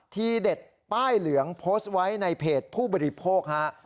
ทีเด็ดป้ายเหลืองโพสต์ไว้ในเพจผู้บริโภคฮะ